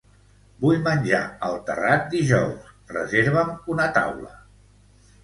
Vull menjar al Terrat dijous, reserva'm una taula.